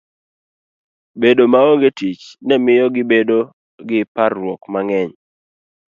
Bedo maonge tich ne miyo gibedo gi parruok mang'eny.